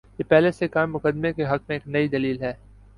یہ پہلے سے قائم مقدمے کے حق میں ایک نئی دلیل ہے۔